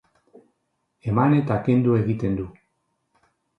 Eman eta kendu egiten du.